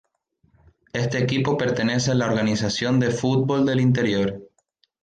Este equipo pertenece la Organización de Fútbol del Interior.